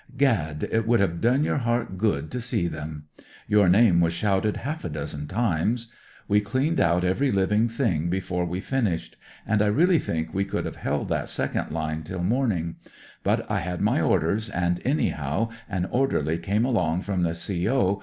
Gad ! it would have done your heart good to see them. Your name was shouted half a dozen times. We cleaned out every living thing before we l2 152 NEWS FOR HOME O.C. COMPANY finished, and I really think we could have held that second line till morning ; but I had my orders, and, anyhow, an orderly came along from the CO.